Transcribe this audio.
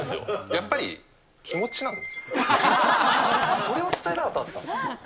やっぱり、それを伝えたかったんですか。